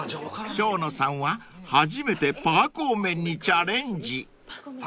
［生野さんは初めてぱーこー麺にチャレンジ］